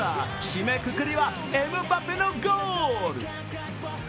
締めくくりはエムバペのゴール。